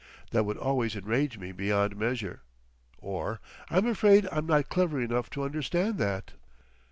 That would always enrage me beyond measure. Or, "I'm afraid I'm not clever enough to understand that."